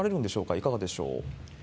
いかがでしょう？